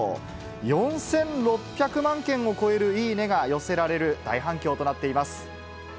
４６００万件を超えるいいね！が寄せられる大反響となっています。